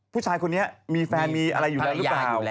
ผู้ชายคนนี้มีแฟนมีอะไรอยู่แล้วหรือเปล่า